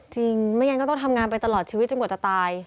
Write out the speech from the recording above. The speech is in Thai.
ไม่งั้นก็ต้องทำงานไปตลอดชีวิตจนกว่าจะตาย